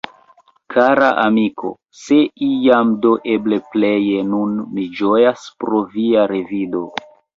"Kara amiko, se iam, do eble pleje nun mi ĝojas pro via revido!